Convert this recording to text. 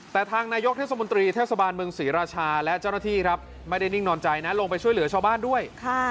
แต่ทางนายกเทศมนตรีเทศบาลเมืองศรีราชาและเจ้าหน้าที่ครับไม่ได้นิ่งนอนใจนะลงไปช่วยเหลือชาวบ้านด้วย